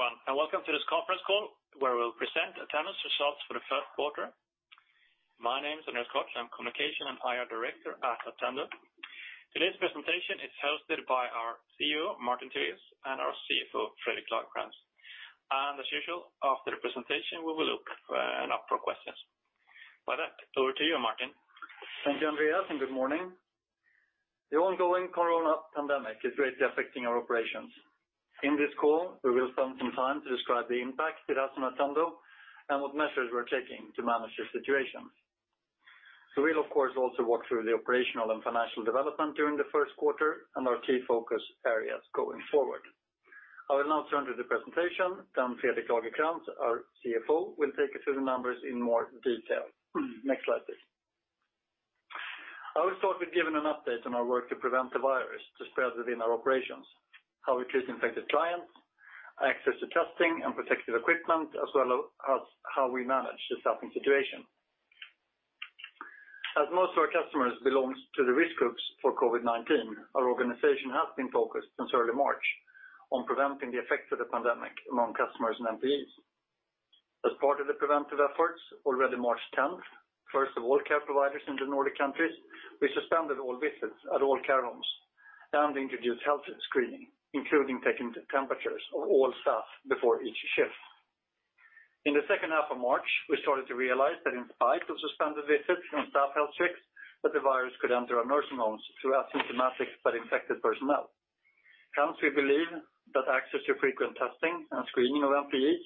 Good morning, everyone, and welcome to this conference call where we'll present Attendo's results for the Q1. My name is Andreas Koch, I'm Communication and IR Director at Attendo. Today's presentation is hosted by our CEO, Martin Tivéus, and our CFO, Fredrik Lagercrantz. As usual, after the presentation, we will open up for questions. With that, over to you, Martin. Thank you, Andreas, and good morning. The ongoing corona pandemic is greatly affecting our operations. In this call, we will spend some time to describe the impact it has on Attendo and what measures we're taking to manage the situation. We'll of course, also walk through the operational and financial development during the Q1 and our key focus areas going forward. I will now turn to the presentation. Fredrik Lagercrantz, our CFO, will take us through the numbers in more detail. Next slide, please. I will start with giving an update on our work to prevent the virus to spread within our operations, how we treat infected clients, access to testing and protective equipment, as well as how we manage the staffing situation. As most of our customers belongs to the risk groups for COVID-19, our organization has been focused since early March on preventing the effects of the pandemic among customers and employees. As part of the preventive efforts, already March 10th, first of all care providers in the Nordic countries, we suspended all visits at all care homes and introduced health screening, including taking the temperatures of all staff before each shift. In the H2 of March, we started to realize that in spite of suspended visits and staff health checks, that the virus could enter our nursing homes through asymptomatic but infected personnel. Hence, we believe that access to frequent testing and screening of employees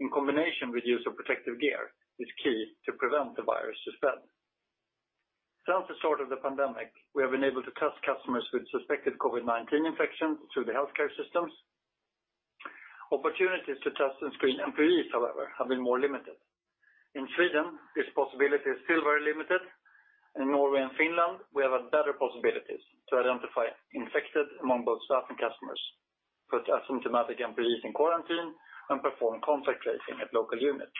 in combination with use of protective gear is key to prevent the virus to spread. Since the start of the pandemic, we have been able to test customers with suspected COVID-19 infection through the healthcare systems. Opportunities to test and screen employees, however, have been more limited. In Sweden, this possibility is still very limited. In Norway and Finland, we have had better possibilities to identify infected among both staff and customers, put asymptomatic employees in quarantine, and perform contact tracing at local units.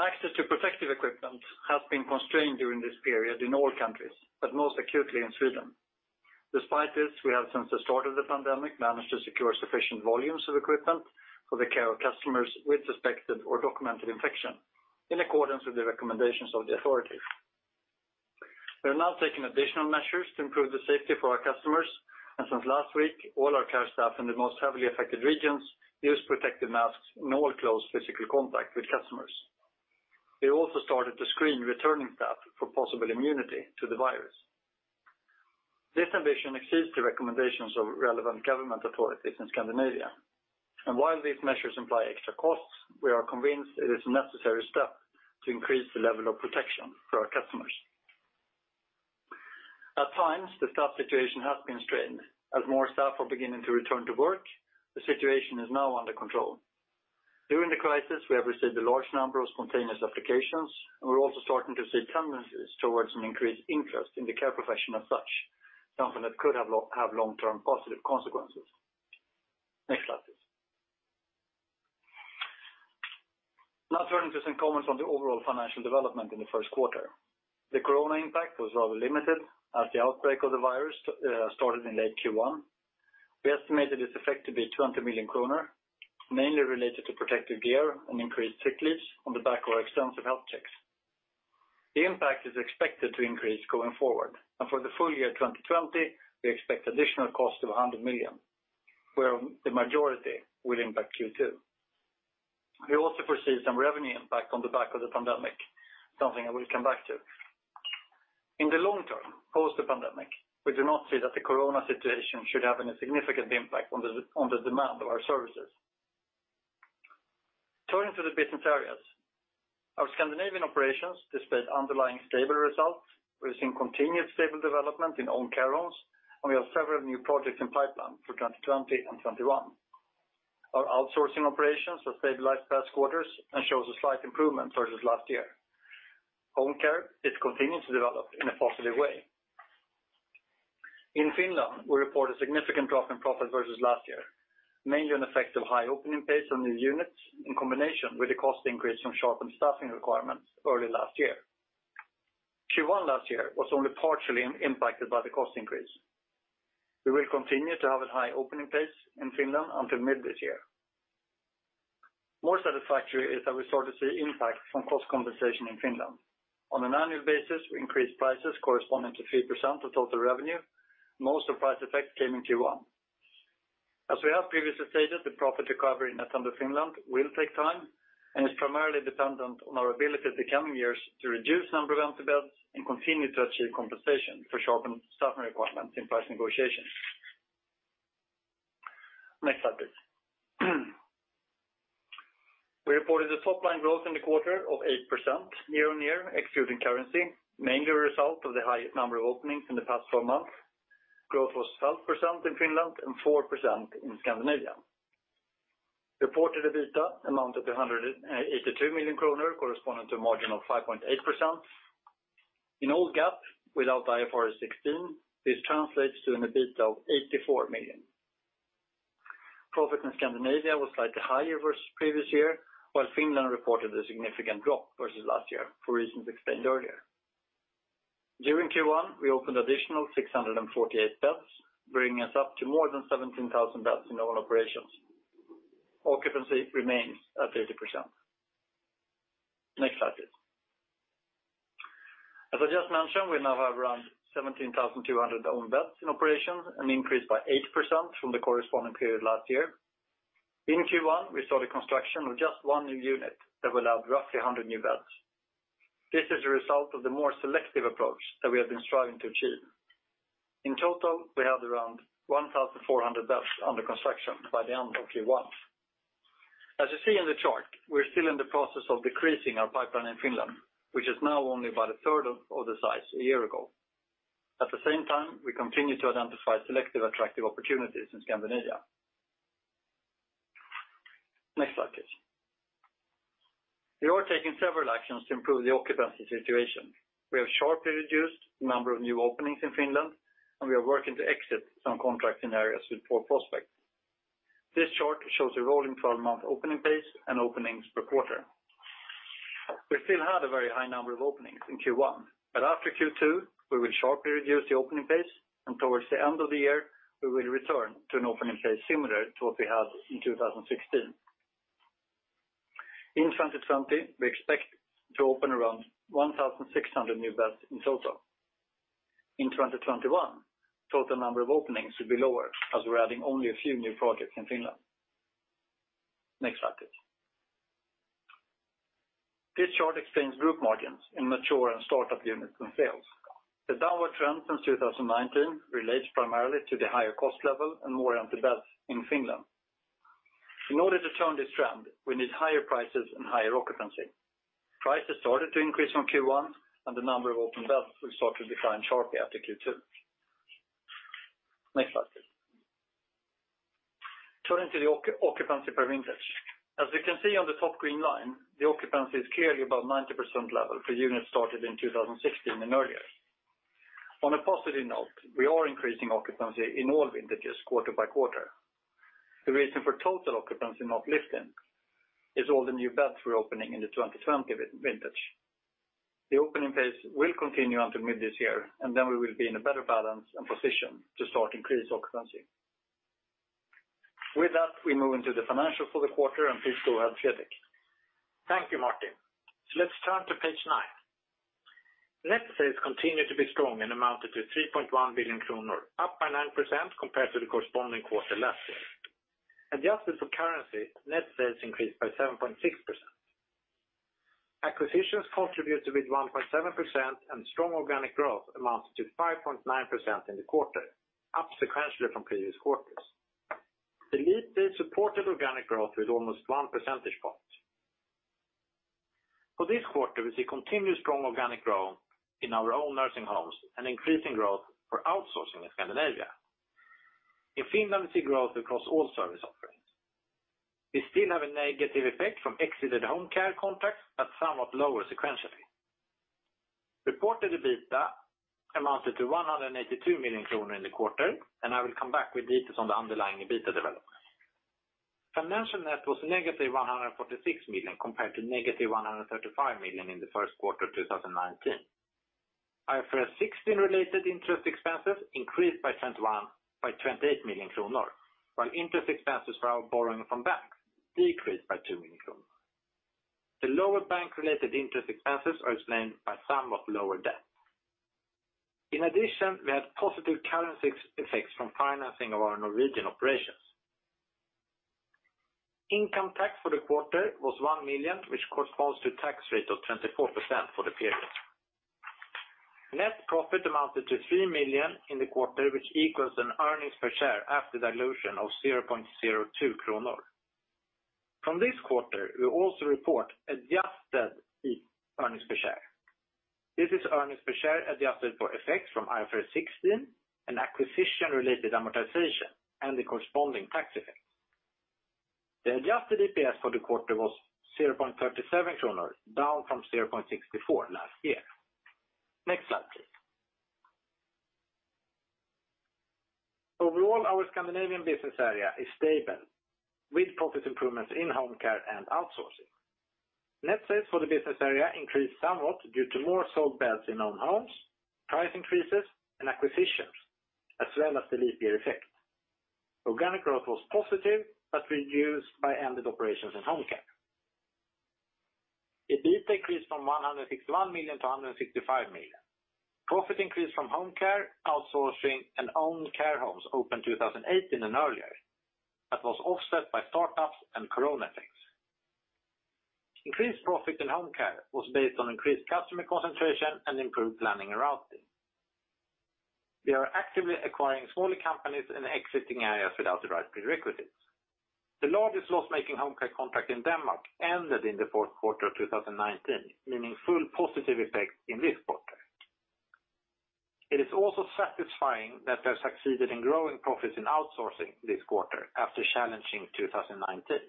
Access to protective equipment has been constrained during this period in all countries, but most acutely in Sweden. Despite this, we have since the start of the pandemic, managed to secure sufficient volumes of equipment for the care of customers with suspected or documented infection in accordance with the recommendations of the authorities. We are now taking additional measures to improve the safety for our customers. Since last week, all our care staff in the most heavily affected regions use protective masks in all close physical contact with customers. We also started to screen returning staff for possible immunity to the virus. This ambition exceeds the recommendations of relevant government authorities in Scandinavia. While these measures imply extra costs, we are convinced it is a necessary step to increase the level of protection for our customers. At times, the staff situation has been strained. As more staff are beginning to return to work, the situation is now under control. During the crisis, we have received a large number of spontaneous applications, and we're also starting to see tendencies towards an increased interest in the care profession as such, something that could have long-term positive consequences. Next slide, please. Turning to some comments on the overall financial development in the Q1. The corona impact was rather limited as the outbreak of the virus started in late Q1. We estimated its effect to be 20 million kronor, mainly related to protective gear and increased sick leaves on the back of our extensive health checks. For the full year 2020, we expect additional cost of 100 million, where the majority will impact Q2. We also foresee some revenue impact on the back of the pandemic, something I will come back to. In the long term, post the pandemic, we do not see that the corona situation should have any significant impact on the demand of our services. Turning to the business areas. Our Scandinavian operations displayed underlying stable results. We're seeing continued stable development in own care homes, and we have several new projects in pipeline for 2020 and 2021. Our outsourcing operations are stabilized past quarters and shows a slight improvement versus last year. Own care is continuing to develop in a positive way. In Finland, we report a significant drop in profit versus last year, mainly an effect of high opening pace on new units in combination with the cost increase from sharpened staffing requirements early last year. Q1 last year was only partially impacted by the cost increase. We will continue to have a high opening pace in Finland until mid this year. More satisfactory is that we start to see impact from cost compensation in Finland. On an annual basis, we increased prices corresponding to 3% of total revenue. Most of price effect came in Q1. As we have previously stated, the profit recovery in Attendo Finland will take time and is primarily dependent on our ability in the coming years to reduce number of employees and continue to achieve compensation for sharpened staffing requirements in price negotiations. Next slide, please. We reported a top-line growth in the quarter of 8% year-on-year excluding currency, mainly a result of the high number of openings in the past 12 months. Growth was 12% in Finland and 4% in Scandinavia. Reported EBITDA amounted to 182 million kronor, corresponding to a margin of 5.8%. In old GAAP, without IFRS 16, this translates to an EBITDA of 84 million. Profit in Scandinavia was slightly higher versus previous year, while Finland reported a significant drop versus last year for reasons explained earlier. During Q1, we opened additional 648 beds, bringing us up to more than 17,000 beds in our own operations. Occupancy remains at 30%. Next slide, please. As I just mentioned, we now have around 17,200 own beds in operation, an increase by 8% from the corresponding period last year. In Q1, we saw the construction of just one new unit that will add roughly 100 new beds. This is a result of the more selective approach that we have been striving to achieve. In total, we had around 1,400 beds under construction by the end of Q1. As you see in the chart, we're still in the process of decreasing our pipeline in Finland, which is now only about a third of the size a year ago. At the same time, we continue to identify selective attractive opportunities in Scandinavia. Next slide, please. We are taking several actions to improve the occupancy situation. We have sharply reduced the number of new openings in Finland, and we are working to exit some contracts in areas with poor prospects. This chart shows a rolling 12-month opening pace and openings per quarter. We still had a very high number of openings in Q1, but after Q2, we will sharply reduce the opening pace, and towards the end of the year, we will return to an opening pace similar to what we had in 2016. In 2020, we expect to open around 1,600 new beds in total. In 2021, total number of openings should be lower as we are adding only a few new projects in Finland. Next slide, please. This chart explains group margins in mature and startup units and sales. The downward trend since 2019 relates primarily to the higher cost level and more empty beds in Finland. In order to turn this trend, we need higher prices and higher occupancy. Prices started to increase from Q1. The number of open beds will start to decline sharply after Q2. Next slide, please. Turning to the occupancy per vintage. As you can see on the top green line, the occupancy is clearly above 90% level for units started in 2016 and earlier. On a positive note, we are increasing occupancy in all vintages quarter by quarter. The reason for total occupancy not lifting is all the new beds we're opening in the 2020 vintage. The opening pace will continue until mid this year. Then we will be in a better balance and position to start increased occupancy. With that, we move into the financial for the quarter. Please go ahead, Fredrik. Thank you, Martin. Let's turn to page nine. Net sales continued to be strong and amounted to 3.1 billion kronor, up by 9% compared to the corresponding quarter last year. Adjusted for currency, net sales increased by 7.6%. Acquisitions contributed with 1.7%, and strong organic growth amounted to 5.9% in the quarter, up sequentially from previous quarters. The leap year supported organic growth with almost one percentage point. For this quarter, we see continuous strong organic growth in our own nursing homes and increasing growth for outsourcing in Scandinavia. In Finland, we see growth across all service offerings. We still have a negative effect from exited home care contracts at somewhat lower sequentially. Reported EBITDA amounted to 182 million kronor in the quarter, and I will come back with details on the underlying EBITDA development. Financial net was -146 million compared to -135 million in the Q1 of 2019. IFRS 16 related interest expenses increased by 28 million kronor, while interest expenses for our borrowing from banks decreased by 2 million kronor. The lower bank-related interest expenses are explained by somewhat lower debt. In addition, we had positive currency effects from financing of our Norwegian operations. Income tax for the quarter was 1 million, which corresponds to a tax rate of 24% for the period. Net profit amounted to 3 million in the quarter, which equals an earnings per share after dilution of 0.02 kronor. From this quarter, we also report adjusted earnings per share. This is earnings per share adjusted for effects from IFRS 16 and acquisition-related amortization and the corresponding tax effects. The adjusted EPS for the quarter was 0.37 kronor, down from 0.64 last year. Next slide, please. Overall, our Scandinavian business area is stable, with profit improvements in home care and outsourcing. Net sales for the business area increased somewhat due to more sold beds in own homes, price increases, and acquisitions, as well as the leap year effect. Organic growth was positive but reduced by ended operations in home care. EBITDA increased from 161 million-165 million. Profit increased from home care, outsourcing, and owned care homes opened 2018 and earlier. That was offset by startups and corona effects. Increased profit in home care was based on increased customer concentration and improved planning and routing. We are actively acquiring smaller companies in exiting areas without the right prerequisites. The largest loss-making home care contract in Denmark ended in the Q4 of 2019, meaning full positive effect in this quarter. It is also satisfying that they have succeeded in growing profits in outsourcing this quarter after challenging 2019.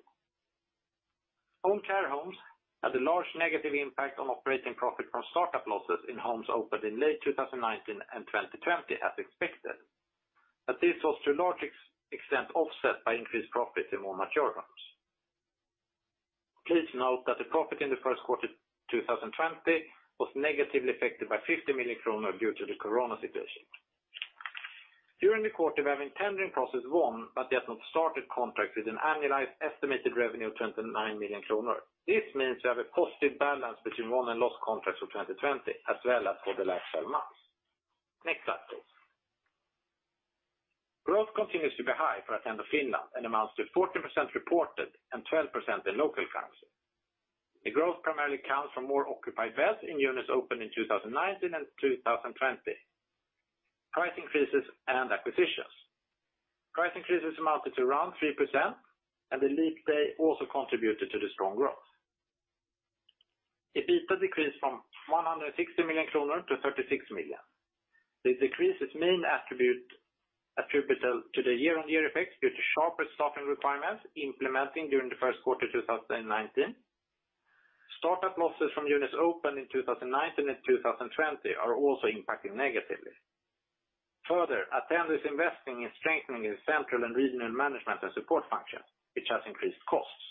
Own care homes had a large negative impact on operating profit from startup losses in homes opened in late 2019 and 2020 as expected. This was to a large extent offset by increased profit in more mature homes. Please note that the profit in the Q1 2020 was negatively affected by 50 million kronor due to the COVID-19 situation. During the quarter, we have a tendering process won, but yet not started contract with an annualized estimated revenue of 29 million kronor. This means we have a positive balance between won and lost contracts for 2020 as well as for the last 12 months. Next slide, please. Growth continues to be high for Attendo Finland, amounts to 14% reported and 12% in local currency. The growth primarily comes from more occupied beds in units opened in 2019 and 2020, price increases, and acquisitions. Price increases amounted to around 3%, and the leap day also contributed to the strong growth. The EBITDA decreased from SEK 160 million-SEK 36 million. This decrease is mainly attributable to the year-on-year effects due to sharper staffing requirements implementing during the Q1 2019. Startup losses from units opened in 2019 and 2020 are also impacting negatively. Attendo is investing in strengthening its central and regional management and support functions, which has increased costs.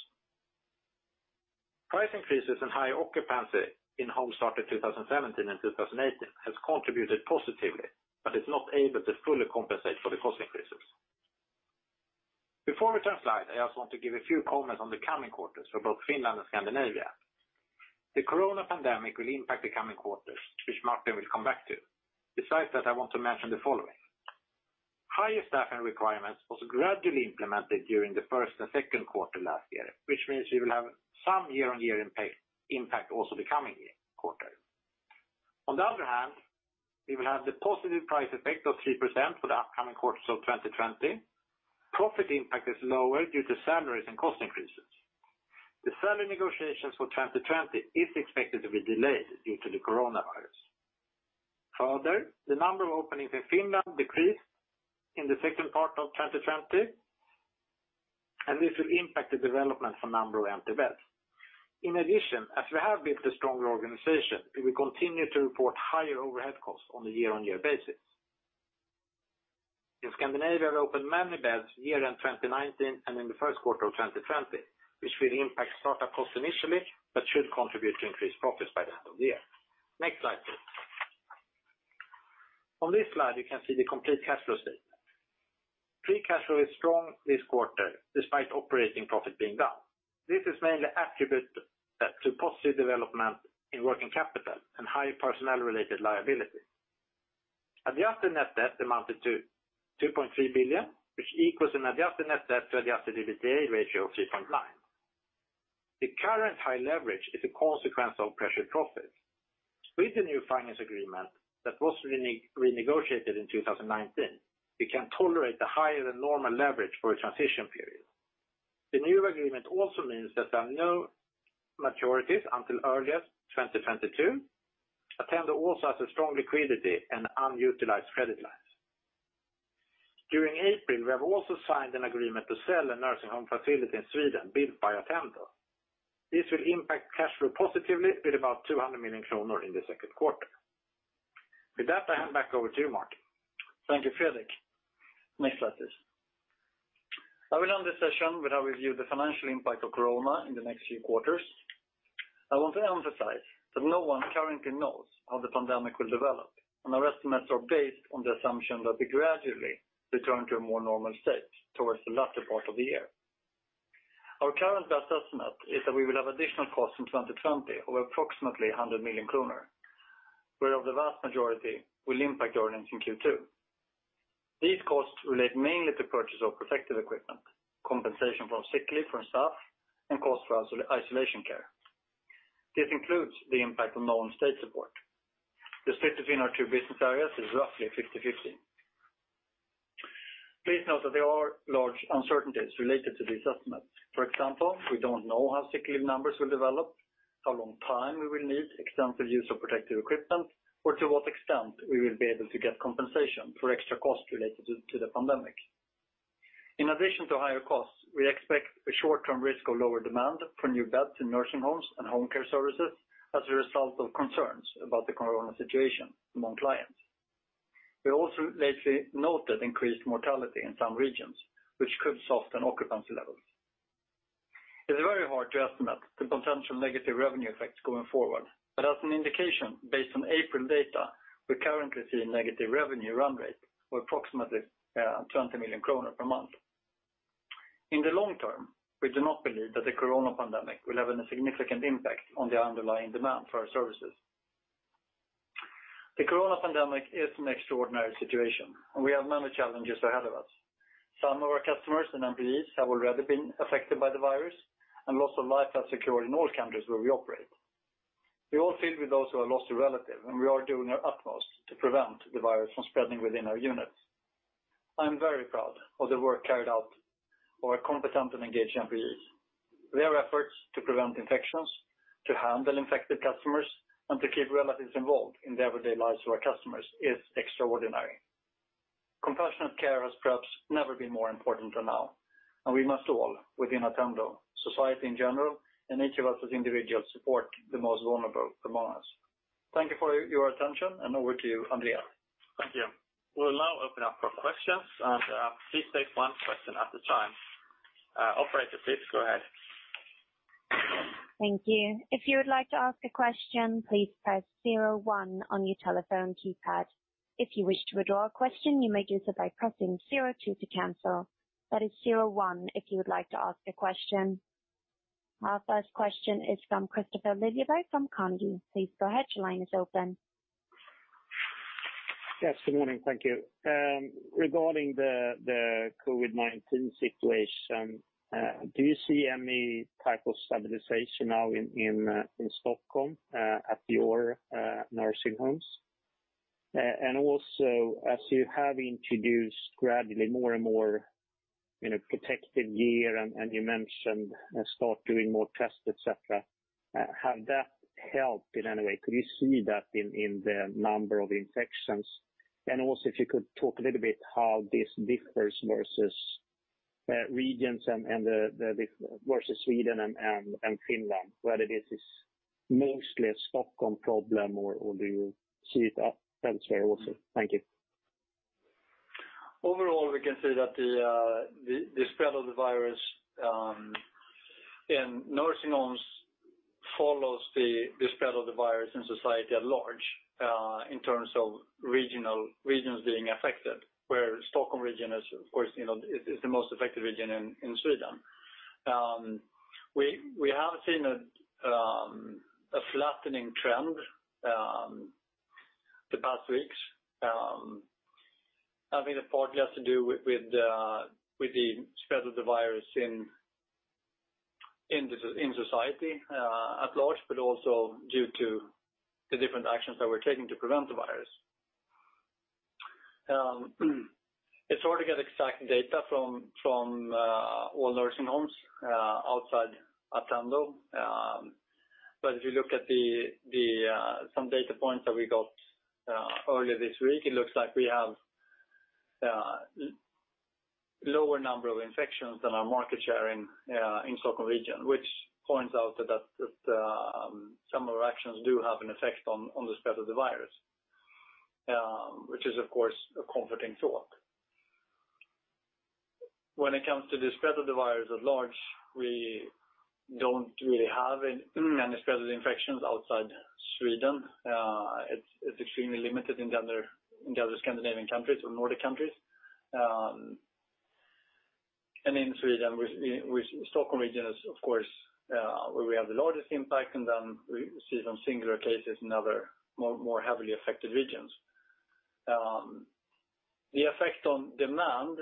Price increases and high occupancy in homes started 2017 and 2018 has contributed positively, but is not able to fully compensate for the cost increases. Before we turn slide, I also want to give a few comments on the coming quarters for both Finland and Scandinavia. The corona pandemic will impact the coming quarters, which Martin will come back to. Besides that, I want to mention the following. Higher staffing requirements was gradually implemented during the Q1 and Q2 last year, which means we will have some year-on-year impact also the coming quarter. On the other hand, we will have the positive price effect of 3% for the upcoming quarters of 2020. Profit impact is lower due to salaries and cost increases. The salary negotiations for 2020 is expected to be delayed due to the coronavirus. Further, the number of openings in Finland decreased in the second part of 2020, and this will impact the development for number of empty beds. In addition, as we have built a stronger organization, we will continue to report higher overhead costs on a year-on-year basis. In Scandinavia, we opened many beds year-end 2019 and in the Q1 of 2020, which will impact startup costs initially, but should contribute to increased profits by the end of the year. Next slide, please. On this slide, you can see the complete cash flow statement. Free cash flow is strong this quarter despite operating profit being down. This is mainly attributable to positive development in working capital and high personnel-related liability. Adjusted net debt amounted to 2.3 billion, which equals an adjusted net debt to adjusted EBITDA ratio of 3.9. The current high leverage is a consequence of pressured profits. With the new finance agreement that was renegotiated in 2019, we can tolerate the higher-than-normal leverage for a transition period. The new agreement also means that there are no maturities until earliest 2022. Attendo also has a strong liquidity and unutilized credit lines. During April, we have also signed an agreement to sell a nursing home facility in Sweden built by Attendo. This will impact cash flow positively with about 200 million kronor in the Q2. With that, I hand back over to you, Martin. Thank you, Fredrik. Next slide, please. I will end the session with our review of the financial impact of corona in the next few quarters. I want to emphasize that no one currently knows how the pandemic will develop, and our estimates are based on the assumption that we gradually return to a more normal state towards the latter part of the year. Our current best estimate is that we will have additional costs in 2020 of approximately 100 million kronor, whereof the vast majority will impact earnings in Q2. These costs relate mainly to purchase of protective equipment, compensation for sick leave for staff, and cost for isolation care. This includes the impact of known state support. The split between our two business areas is roughly 50/50. Please note that there are large uncertainties related to the assessment. For example, we don't know how sick leave numbers will develop, how long time we will need extensive use of protective equipment, or to what extent we will be able to get compensation for extra costs related to the pandemic. In addition to higher costs, we expect a short-term risk of lower demand for new beds in nursing homes and home care services as a result of concerns about the corona situation among clients. We also lately noted increased mortality in some regions, which could soften occupancy levels. It's very hard to estimate the potential negative revenue effects going forward, as an indication, based on April data, we currently see a negative revenue run rate of approximately 20 million kronor per month. In the long term, we do not believe that the corona pandemic will have any significant impact on the underlying demand for our services. The corona pandemic is an extraordinary situation. We have many challenges ahead of us. Some of our customers and employees have already been affected by the virus. Loss of life has occurred in all countries where we operate. We all feel with those who have lost a relative. We are doing our utmost to prevent the virus from spreading within our units. I am very proud of the work carried out by our competent and engaged employees. Their efforts to prevent infections, to handle infected customers, and to keep relatives involved in the everyday lives of our customers is extraordinary. Compassionate care has perhaps never been more important than now. We must all, within Attendo, society in general, and each of us as individuals, support the most vulnerable among us. Thank you for your attention. Over to you, Andreas. Thank you. We'll now open up for questions. Please take one question at a time. Operator, please go ahead. Thank you. If you would like to ask a question, please press zero one on your telephone keypad. If you wish to withdraw a question, you may do so by pressing zero two to cancel. That is zero one if you would like to ask a question. Our first question is from Kristofer Liljeberg from Carnegie. Please go ahead, your line is open. Yes, good morning. Thank you. Regarding the COVID-19 situation, do you see any type of stabilization now in Stockholm at your nursing homes? As you have introduced gradually more and more protective gear, and you mentioned start doing more tests, et cetera, has that helped in any way? Could you see that in the number of infections? If you could talk a little bit how this differs versus regions versus Sweden and Finland, whether this is mostly a Stockholm problem or do you see that elsewhere also? Thank you. Overall, we can say that the spread of the virus in nursing homes follows the spread of the virus in society at large in terms of regions being affected, where Stockholm region is, of course, the most affected region in Sweden. We have seen a flattening trend the past weeks. I think a part has to do with the spread of the virus in society at large, but also due to the different actions that we're taking to prevent the virus. It's hard to get exact data from all nursing homes outside Attendo. If you look at some data points that we got earlier this week, it looks like we have lower number of infections than our market share in Stockholm region, which points out that some of our actions do have an effect on the spread of the virus, which is, of course, a comforting thought. When it comes to the spread of the virus at large, we don't really have any spread of the infections outside Sweden. It's extremely limited in the other Scandinavian countries or Nordic countries. In Sweden, Stockholm region is, of course, where we have the largest impact, and then we see some singular cases in other, more heavily affected regions. The effect on demand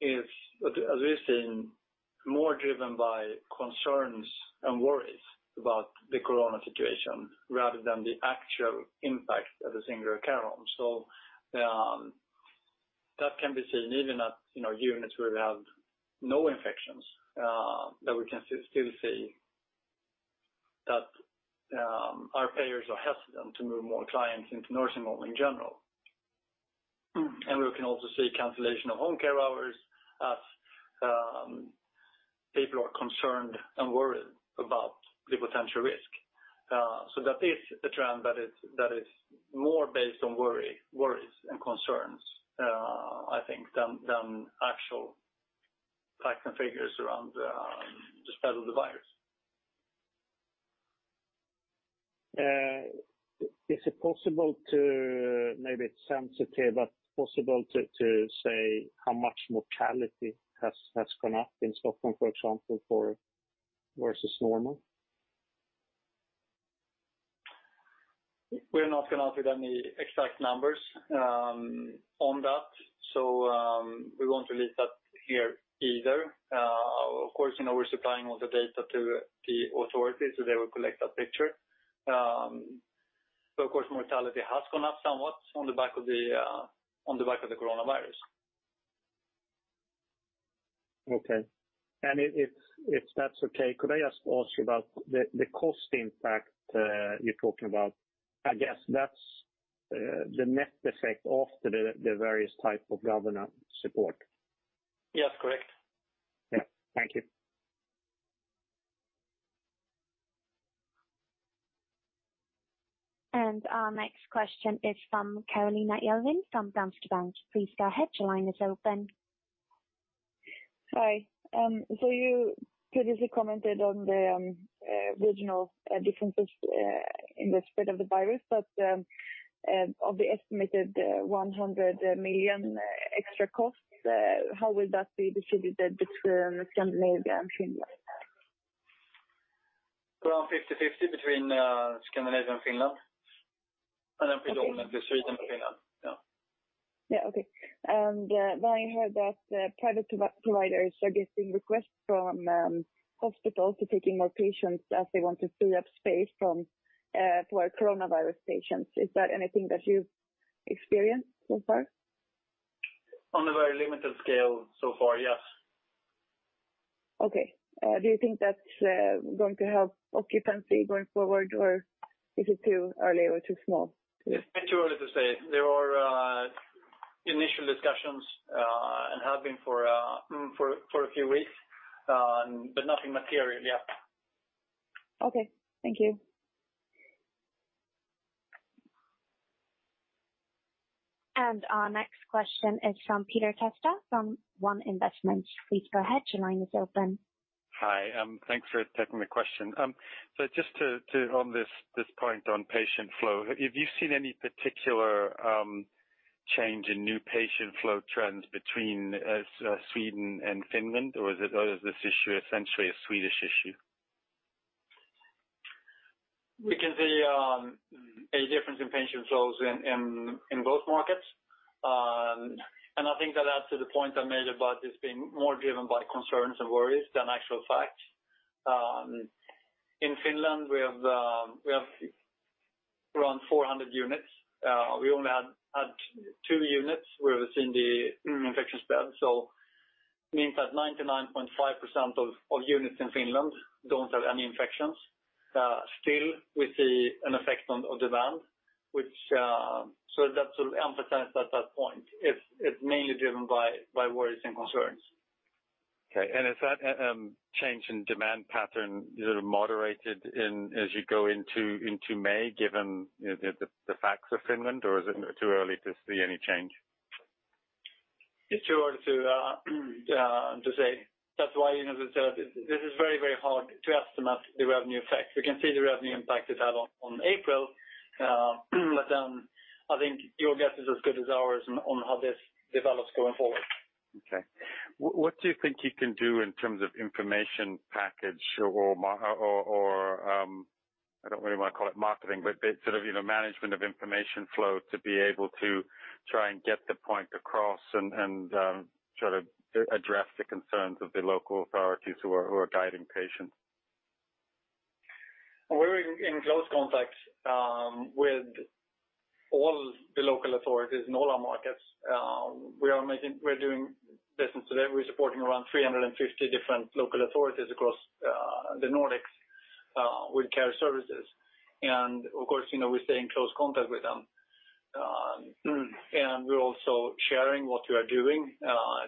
is, as we've seen, more driven by concerns and worries about the corona situation rather than the actual impact of a singular care home. That can be seen even at units where we have no infections, that we can still see that our payers are hesitant to move more clients into nursing home in general. We can also see cancellation of home care hours as people are concerned and worried about the potential risk. That is the trend that is more based on worries and concerns, I think, than actual facts and figures around the spread of the virus. Is it possible to, maybe it's sensitive, but possible to say how much mortality has gone up in Stockholm, for example, versus normal? We're not going to give any exact numbers on that. We won't release that here either. Of course, we're supplying all the data to the authorities so they will collect that picture. Of course, mortality has gone up somewhat on the back of the coronavirus. Okay. If that's okay, could I just ask you about the cost impact you're talking about? I guess that's the net effect of the various type of government support. Yes, correct. Yeah. Thank you. Our next question is from Carolina Jervin from DNB. Please go ahead. Your line is open. Hi. You previously commented on the regional differences in the spread of the virus, but of the estimated 100 million extra costs, how will that be distributed between Scandinavia and Finland? Around 50/50 between Scandinavia and Finland. Pardon me, between Sweden and Finland. Yeah. Yeah. Okay. I heard that private providers are getting requests from hospitals to taking more patients as they want to free up space for coronavirus patients. Is that anything that you've experienced so far? On a very limited scale so far, yes. Okay. Do you think that's going to help occupancy going forward, or is it too early or too small to say? It's way too early to say. There are initial discussions and have been for a few weeks, nothing material yet. Okay, thank you. Our next question is from Peter Testa, from One Investments. Please go ahead, your line is open. Hi. Thanks for taking the question. Just on this point on patient flow, have you seen any particular change in new patient flow trends between Sweden and Finland, or is this issue essentially a Swedish issue? We can see a difference in patient flows in both markets. I think that adds to the point I made about this being more driven by concerns and worries than actual fact. In Finland, we have around 400 units. We only had two units where we've seen the infection spread, so it means that 99.5% of units in Finland don't have any infections. Still, we see an effect on demand. That sort of emphasizes that point. It's mainly driven by worries and concerns. Okay. Has that change in demand pattern moderated as you go into May, given the facts of Finland, or is it too early to see any change? It's too early to say. That's why this is very, very hard to estimate the revenue effect. We can see the revenue impact it had on April. I think your guess is as good as ours on how this develops going forward. Okay. What do you think you can do in terms of information package or, I don't really want to call it marketing, but sort of management of information flow to be able to try and get the point across and sort of address the concerns of the local authorities who are guiding patients? We're in close contact with all the local authorities in all our markets. We're doing business today, we're supporting around 350 different local authorities across the Nordics with care services. Of course, we stay in close contact with them. We're also sharing what we are doing,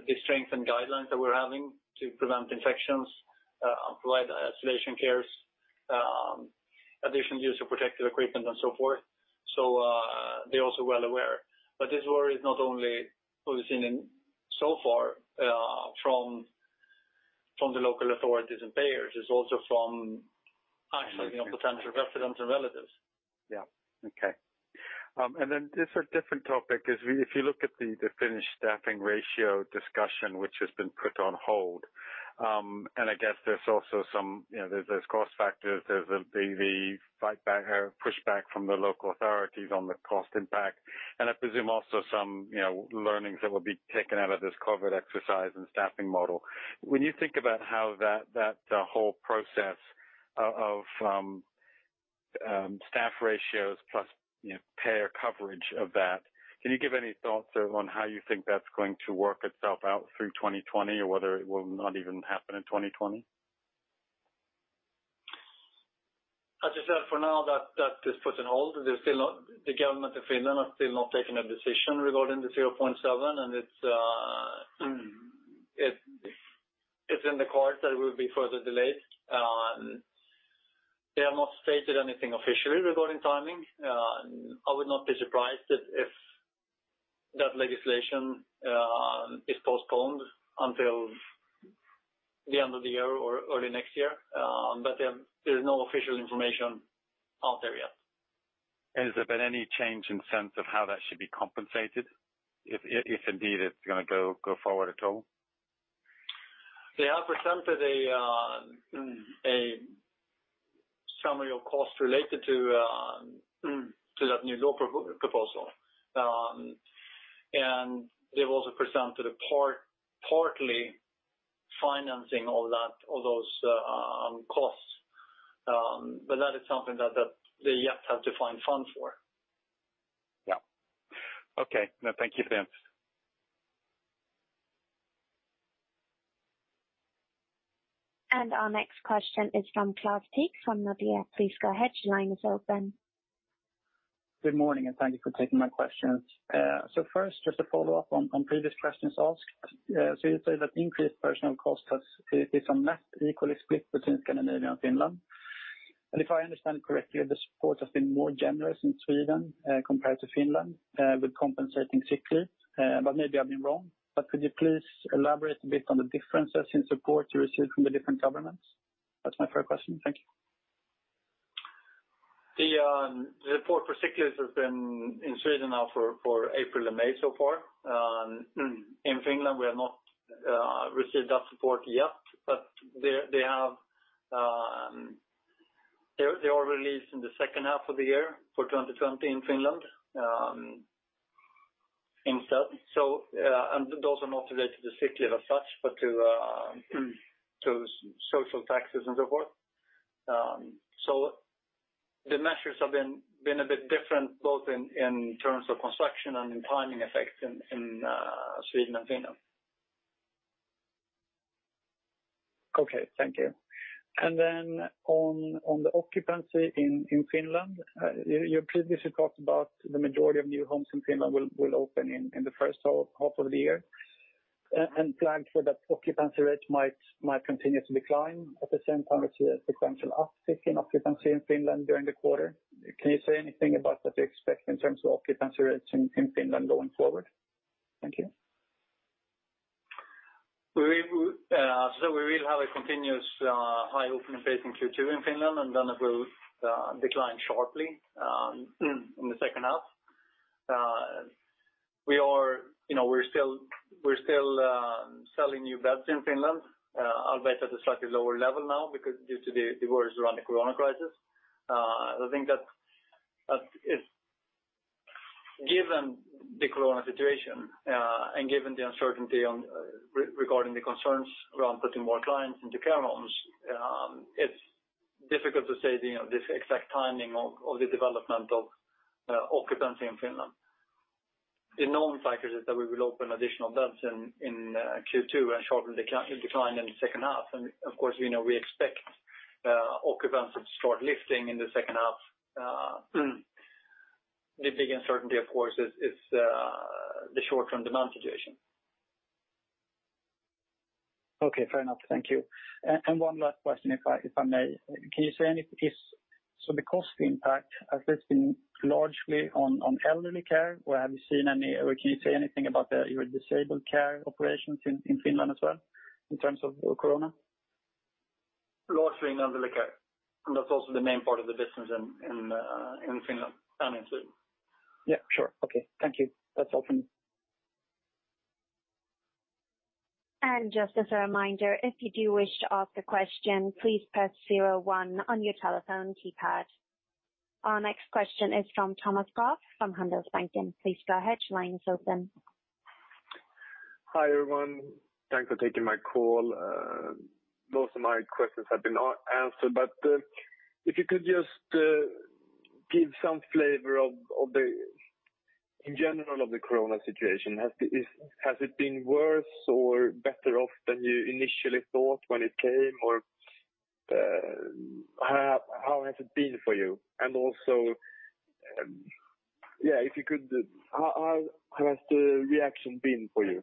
the strength and guidelines that we're having to prevent infections, provide isolation cares, additional use of protective equipment and so forth. They're also well aware. This worry is not only what we've seen in so far from the local authorities and payers. It's also from actually potential residents and relatives. Yeah. Okay. This for a different topic. If you look at the Finnish staffing ratio discussion, which has been put on hold, and I guess there's also some cost factors, there's the pushback from the local authorities on the cost impact, and I presume also some learnings that will be taken out of this COVID exercise and staffing model. When you think about how that whole process of staff ratios plus payer coverage of that, can you give any thoughts on how you think that's going to work itself out through 2020, or whether it will not even happen in 2020? As I said, for now, that is put on hold. The government of Finland has still not taken a decision regarding the 0.7. It's in the cards that it will be further delayed. They have not stated anything officially regarding timing. I would not be surprised if that legislation is postponed until the end of the year or early next year. There's no official information out there yet. Has there been any change in sense of how that should be compensated, if indeed it's going to go forward at all? They have presented a summary of costs related to that new law proposal. They've also presented a partly financing all those costs. That is something that they yet have to find funds for. Yeah. Okay. No, thank you, Tivéus. Our next question is from Claus Teeg from Nordea. Please go ahead, your line is open. Good morning, and thank you for taking my questions. First, just a follow-up on previous questions asked. You say that increased personnel cost has been some less equally split between Scandinavia and Finland. If I understand correctly, the support has been more generous in Sweden compared to Finland with compensating sick leave. Maybe I'm being wrong. Could you please elaborate a bit on the differences in support you received from the different governments? That's my first question. Thank you. The support for sick leave has been in Sweden now for April and May so far. In Finland, we have not received that support yet, but they are released in the H2 of the year for 2020 in Finland instead. Those are not related to sick leave as such, but to social taxes and so forth. The measures have been a bit different, both in terms of construction and in timing effects in Sweden and Finland. Okay, thank you. On the occupancy in Finland, you previously talked about the majority of new homes in Finland will open in the first half of the year, and planned for that occupancy rate might continue to decline. At the same time, it's a sequential uptick in occupancy in Finland during the quarter. Can you say anything about what you expect in terms of occupancy rates in Finland going forward? Thank you. We will have a continuous high opening phase in Q2 in Finland, and then it will decline sharply in the H2. We're still selling new beds in Finland, albeit at a slightly lower level now due to the worries around the Corona crisis. I think that given the Corona situation, and given the uncertainty regarding the concerns around putting more clients into care homes, it's difficult to say the exact timing of the development of occupancy in Finland. The known factor is that we will open additional beds in Q2 and shortly decline in the H2, and of course, we know we expect occupancy to start lifting in the H2. The big uncertainty, of course, is the short-term demand situation. Okay, fair enough. Thank you. One last question, if I may. The cost impact, has this been largely on elderly care, or can you say anything about your disabled care operations in Finland as well, in terms of Corona? Largely in elderly care. That's also the main part of the business in Finland and in Sweden. Yeah, sure. Okay. Thank you. That's all from me. Just as a reminder, if you do wish to ask a question, please press 01 on your telephone keypad. Our next question is from Thomas Hoff from Handelsbanken. Please go ahead. Your line is open. Hi, everyone. Thanks for taking my call. Most of my questions have been answered, if you could just give some flavor in general of the Corona situation. Has it been worse or better off than you initially thought when it came, or how has it been for you? Also, how has the reaction been for you?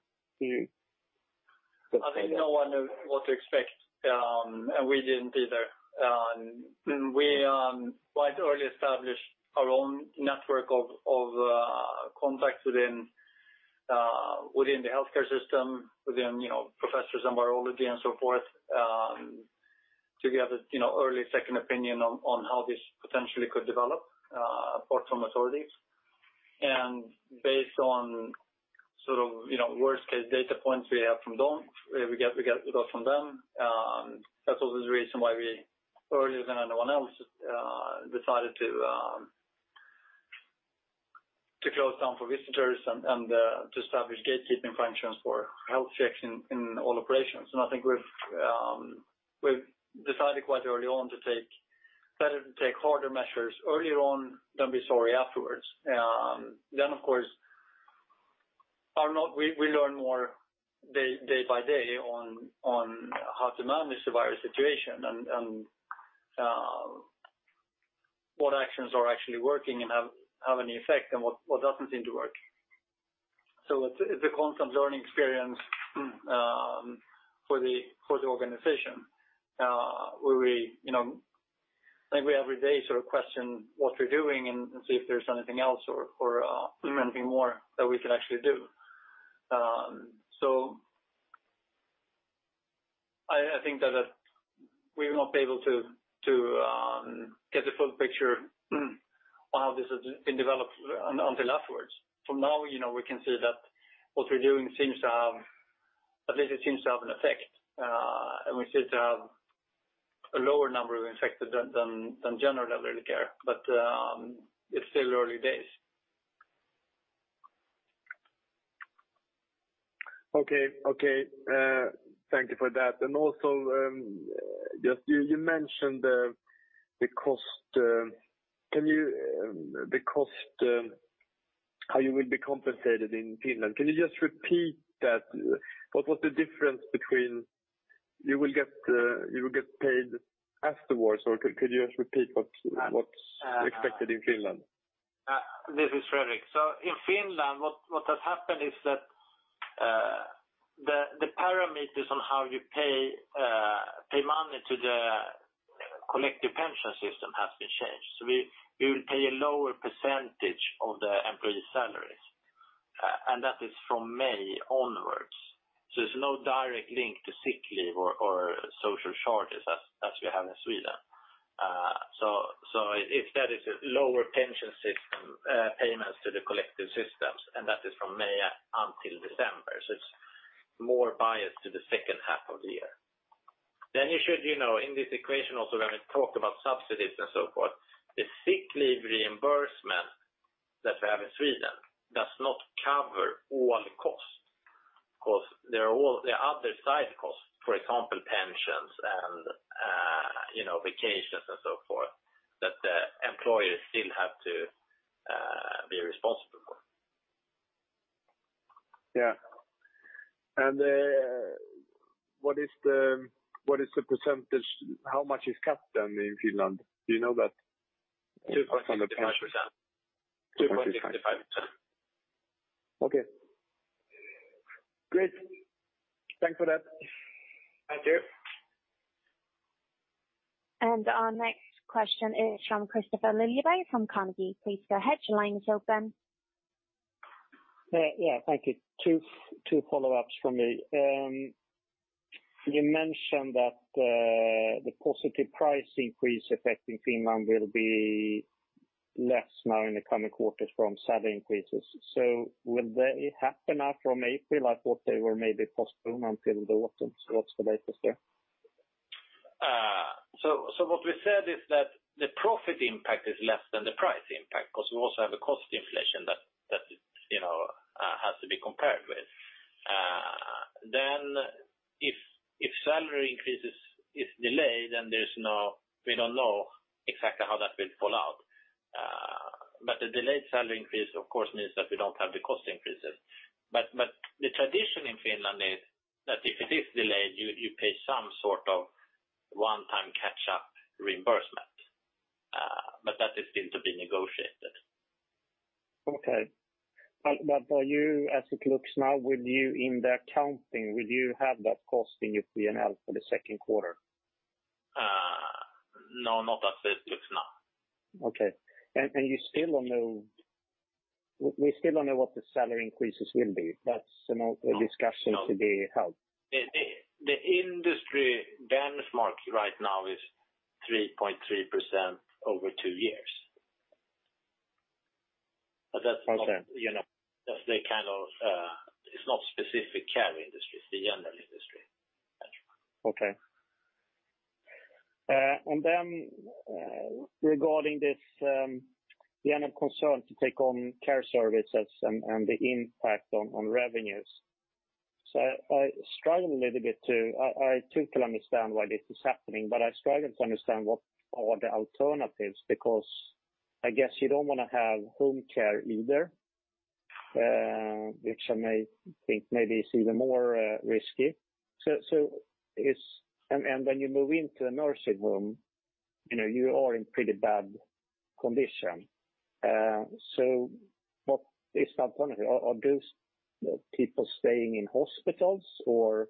I think no one knew what to expect, and we didn't either. We quite early established our own network of contacts within the healthcare system, within professors of virology and so forth, to give us early second opinion on how this potentially could develop apart from authorities. Based on sort of worst case data points we got from them, that's also the reason why we, earlier than anyone else, decided to close down for visitors and to establish gatekeeping functions for health checks in all operations. I think we've decided quite early on better to take harder measures earlier on than be sorry afterwards. Of course, we learn more day by day on how to manage the virus situation and what actions are actually working and have an effect, and what doesn't seem to work. It's a constant learning experience for the organization, where we every day sort of question what we're doing and see if there's anything else or anything more that we could actually do. I think that we will not be able to get the full picture on how this has been developed until afterwards. For now, we can see that what we're doing at least it seems to have an effect, and we see it have a lower number of infected than general elderly care, but it's still early days. Okay. Thank you for that. Also, you mentioned the cost, how you will be compensated in Finland. Can you just repeat that? What was the difference between you will get paid afterwards, or could you just repeat what's expected in Finland? This is Fredrik. In Finland, what has happened is that the parameters on how you pay money to the collective pension system has been changed. We will pay a lower percentage of the employees' salaries, and that is from May onwards. There's no direct link to sick leave or social charges as we have in Sweden. If that is lower pension system payments to the collective systems, and that is from May until December. It's more biased to the H2 of the year. You should, in this equation also when we talk about subsidies and so forth, the sick leave reimbursement that we have in Sweden does not cover all costs. There are other side costs, for example, pensions and vacations and so forth, that the employers still have to be responsible for. Yeah. What is the percentage? How much is cut down in Finland? Do you know that? 2.55%. Okay, great. Thanks for that. Thank you. Our next question is from Kristofer Liljeberg from Carnegie. Please go ahead. Your line is open. Yeah, thank you. Two follow-ups from me. You mentioned that the positive price increase affecting Finland will be less now in the coming quarters from salary increases. Will they happen after April? I thought they were maybe postponed until the autumn. What's the latest there? What we said is that the profit impact is less than the price impact because we also have a cost inflation that has to be compared with. If salary increases is delayed, then we don't know exactly how that will fall out. The delayed salary increase, of course, means that we don't have the cost increases. The tradition in Finland is that if it is delayed, you pay some sort of one-time catch-up reimbursement, but that is still to be negotiated. Okay. As it looks now, in the accounting, will you have that cost in your P&L for the Q2? No, not as it looks now. Okay. We still don't know what the salary increases will be. That's a discussion to be held. The industry benchmark right now is 3.3% over two years. Okay. It's not specific care industry, it's the general industry benchmark. Okay. Regarding this general concern to take on care services and the impact on revenues. I struggle a little bit to I think I understand why this is happening, but I struggle to understand what are the alternatives, because I guess you don't want to have home care either, which I may think maybe is even more risky. When you move into a nursing home, you are in pretty bad condition. What is the alternative? Are those people staying in hospitals or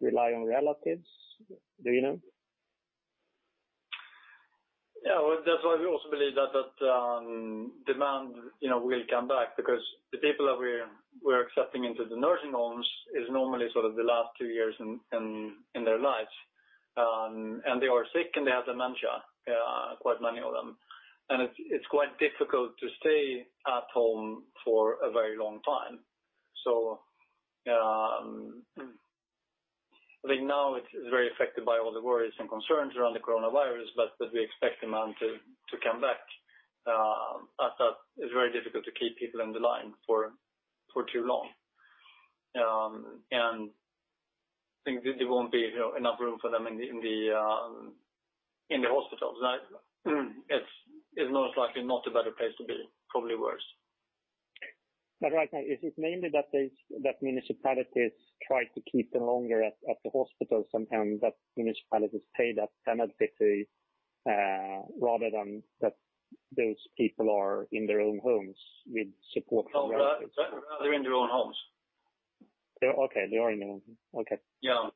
rely on relatives? Do you know? Yeah. That's why we also believe that demand will come back because the people that we're accepting into the nursing homes is normally sort of the last two years in their lives, and they are sick, and they have dementia, quite many of them. It's quite difficult to stay at home for a very long time. I think now it is very affected by all the worries and concerns around the coronavirus, but we expect demand to come back. It's very difficult to keep people in the line for too long. I think there won't be enough room for them in the hospitals. It's most likely not a better place to be, probably worse. Right now, is it mainly that municipalities try to keep them longer at the hospital, sometimes that municipalities pay that penalty rather than that those people are in their own homes with support from relatives? No. They're in their own homes. Okay. They are in their own home. Okay. Yeah.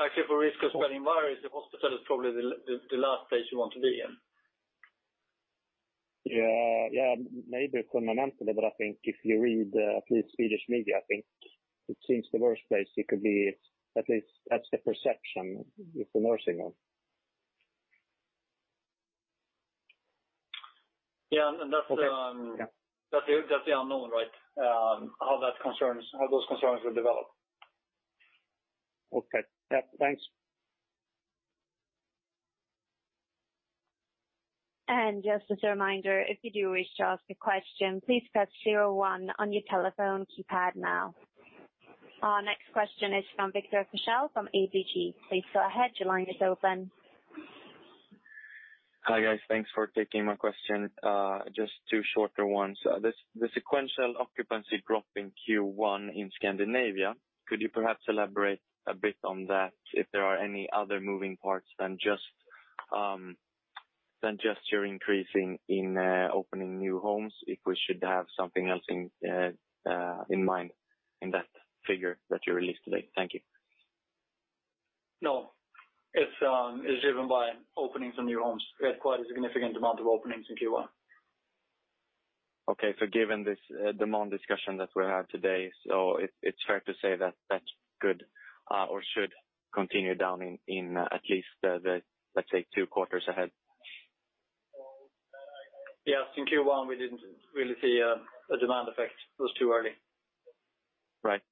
Actually, for risk of coronavirus, the hospital is probably the last place you want to be in. Yeah. Maybe fundamentally, but I think if you read at least Swedish media, I think it seems the worst place you could be, at least that's the perception, is the nursing home. Yeah. Okay. Yeah. That's the unknown, right? How those concerns will develop. Okay. Yeah, thanks. Just as a reminder, if you do wish to ask a question, please press zero one on your telephone keypad now. Our next question is from Viktor Fichele from ABG. Please go ahead. Your line is open. Hi, guys. Thanks for taking my question. Just two shorter ones. The sequential occupancy drop in Q1 in Scandinavia, could you perhaps elaborate a bit on that if there are any other moving parts than just your increasing in opening new homes, if we should have something else in mind in that figure that you released today? Thank you. No. It's driven by openings of new homes. We had quite a significant amount of openings in Q1. Okay. Given this demand discussion that we had today, it's fair to say that should continue down in at least the, let's say two quarters ahead? Yes. In Q1, we didn't really see a demand effect. It was too early. Right.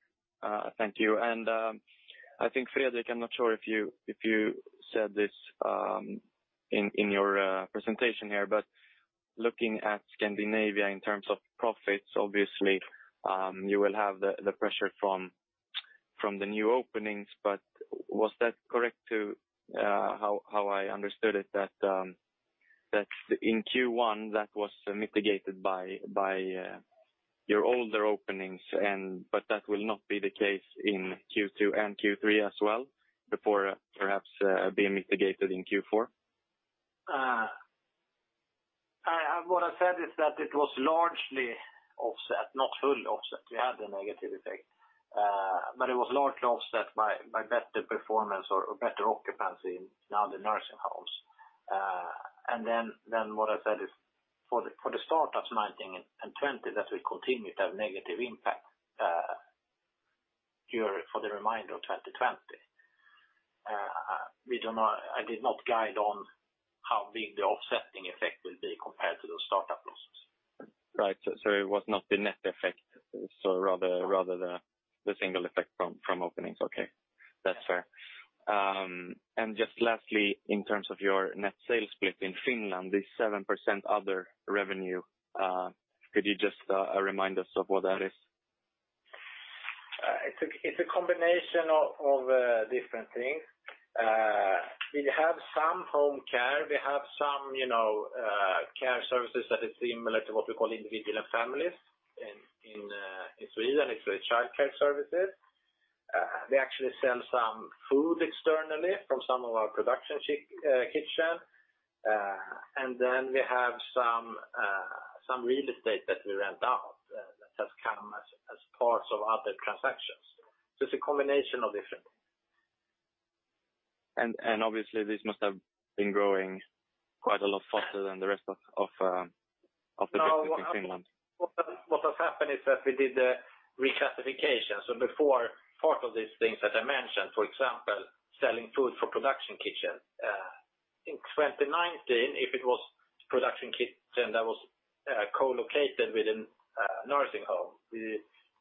Thank you. I think, Fredrik, I'm not sure if you said this in your presentation here, but looking at Scandinavia in terms of profits, obviously you will have the pressure from the new openings, but was that correct how I understood it? That in Q1 that was mitigated by your older openings, but that will not be the case in Q2 and Q3 as well, before perhaps being mitigated in Q4? What I said is that it was largely offset, not fully offset. We had a negative effect. It was largely offset by better performance or better occupancy in the other nursing homes. What I said is for the start of 2019 and 2020, that will continue to have negative impact here for the reminder of 2020. I did not guide on how big the offsetting effect will be compared to those startup losses. Right. It was not the net effect, rather the single effect from openings. Okay. That's fair. Just lastly, in terms of your net sales split in Finland, this 7% other revenue, could you just remind us of what that is? It's a combination of different things. We have some home care. We have some care services that is similar to what we call individual and families in Sweden. It's the childcare services. We actually sell some food externally from some of our production kitchen. We have some real estate that we rent out that has come as parts of other transactions. It's a combination of different things. Obviously this must have been growing quite a lot faster than the rest of the business in Finland. What has happened is that we did a reclassification. Before part of these things that I mentioned, for example, selling food for production kitchen. In 2019, if it was production kitchen that was co-located within a nursing home,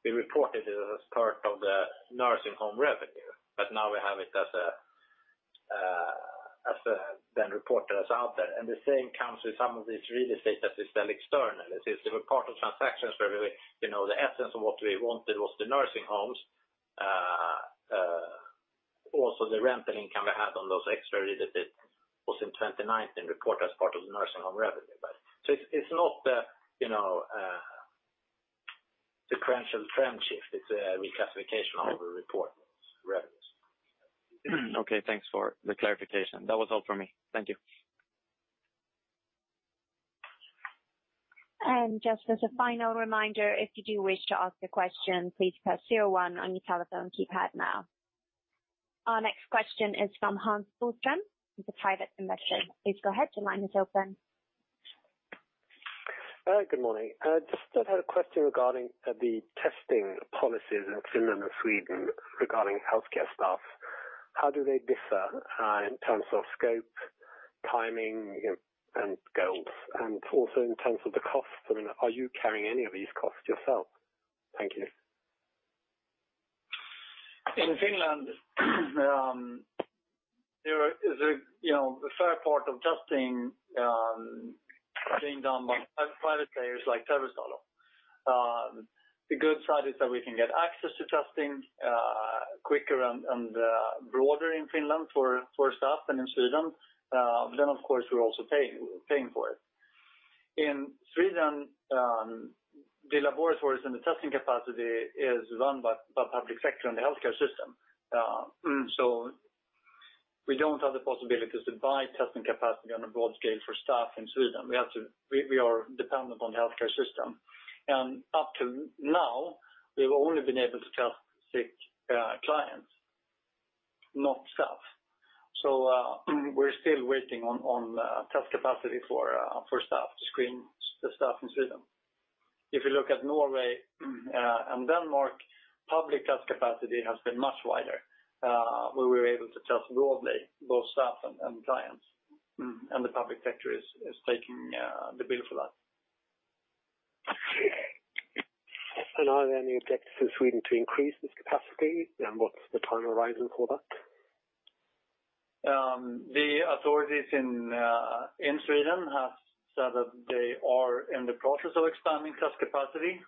we reported it as part of the nursing home revenue. Now we have it as being reported as out there. The same comes with some of this real estate that we sell externally. This is part of transactions where the essence of what we wanted was the nursing homes. Also the rental income we had on those extra real estate was in 2019 reported as part of the nursing home revenue. It's not the sequential trend shift. It's a reclassification of the reported revenues. Okay, thanks for the clarification. That was all for me. Thank you. Just as a final reminder, if you do wish to ask a question, please press zero one on your telephone keypad now. Our next question is from Hans Boström. He's a private investor. Please go ahead, your line is open. Good morning. Just had a question regarding the testing policies in Finland and Sweden regarding healthcare staff. How do they differ in terms of scope, timing, and goals? Also in terms of the cost, are you carrying any of these costs yourself? Thank you. In Finland, the fair part of testing being done by private players like Terveystalo. The good side is that we can get access to testing quicker and broader in Finland for staff than in Sweden. Of course, we're also paying for it. In Sweden, the laboratories and the testing capacity is run by the public sector and the healthcare system. We don't have the possibilities to buy testing capacity on a broad scale for staff in Sweden. We are dependent on the healthcare system, and up to now, we've only been able to test sick clients, not staff. We're still waiting on test capacity for staff to screen the staff in Sweden. If you look at Norway and Denmark, public test capacity has been much wider, where we're able to test broadly both staff and clients, and the public sector is taking the bill for that. Are there any plans for Sweden to increase this capacity, and what's the time horizon for that? The authorities in Sweden have said that they are in the process of expanding test capacity,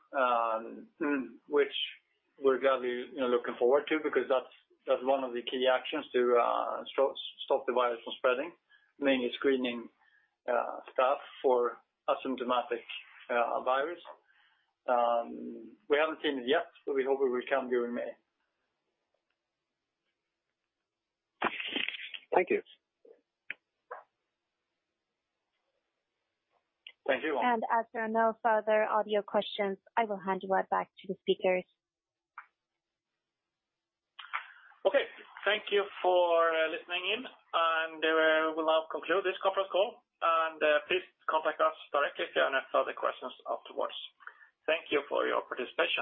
which we're gladly looking forward to because that's one of the key actions to stop the virus from spreading, mainly screening staff for asymptomatic virus. We haven't seen it yet. We hope it will come during May. Thank you. Thank you. As there are no further audio questions, I will hand you right back to the speakers. Okay. Thank you for listening in, and we will now conclude this conference call. Please contact us directly if you have any further questions afterwards. Thank you for your participation.